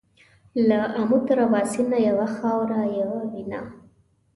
له آمو تر اباسینه یوه خاوره یو وینه